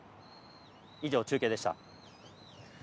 以上、中継でした。